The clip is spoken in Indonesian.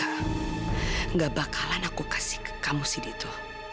enggak bakalan aku kasih ke kamu sidi itu